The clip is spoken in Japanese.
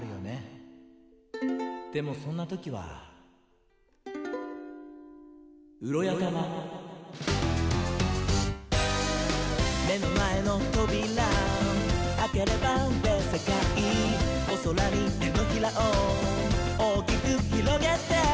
「でもそんなときはウロヤタマ」「めのまえのトビラあければべっせかい」「おそらにてのひらをおおきくひろげて」